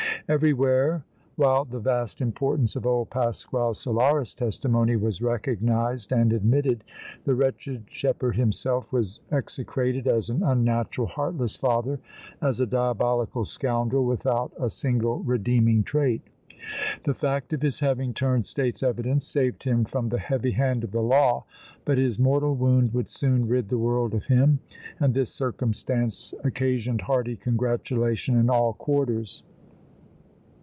Everywhere, while the vast importance of old Pasquale Solara's testimony was recognized and admitted, the wretched shepherd himself was execrated as an unnatural, heartless father, as a diabolical scoundrel without a single redeeming trait. The fact of his having turned State's evidence saved him from the heavy hand of the law, but his mortal wound would soon rid the world of him and this circumstance occasioned hearty congratulation in all quarters.